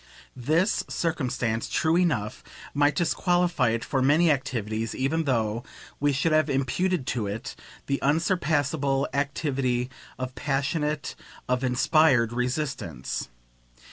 This circumstance, true enough, might disqualify it for many activities even though we should have imputed to it the unsurpassable activity of passionate, of inspired resistance.